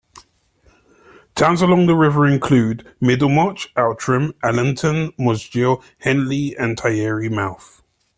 Towns along the river include Middlemarch, Outram, Allanton, Mosgiel, Henley and Taieri Mouth.